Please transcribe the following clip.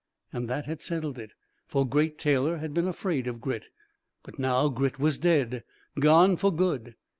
And that had settled it, for Great Taylor had been afraid of Grit. But now Grit was dead; gone for good.